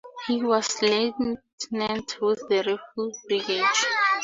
He was a Lieutenant with the Rifle Brigade.